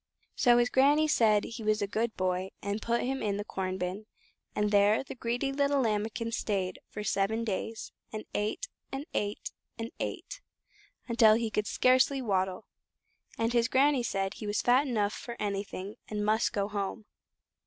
So his Granny said he was a good boy, and put him into the corn bin, and there the greedy little Lambikin stayed for seven days, and ate, and ate, and ate, until he could scarcely waddle, and his Granny said he was fat enough for anything, and must go home.